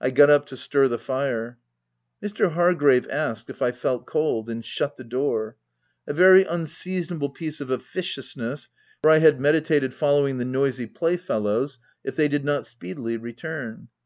I got up to stir the fire. Mr Hargrave asked if I felt cold, and shut the door — a very unseason able piece of officiousness, for I had meditated following the noisy playfellows, if they did not speedily return.